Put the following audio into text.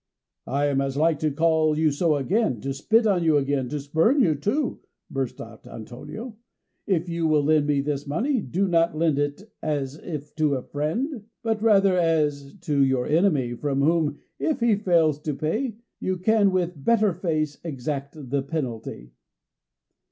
] "I am as like to call you so again, to spit on you again, to spurn you, too," burst out Antonio. "If you will lend me this money, do not lend it as if to a friend, but rather as if to your enemy, from whom, if he fails to pay, you can with better face exact the penalty."